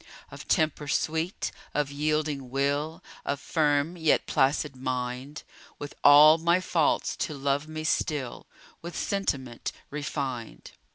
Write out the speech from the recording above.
Of temper sweet, of yielding will, Of firm, yet placid mind, With all my faults to love me still With sentiment refined.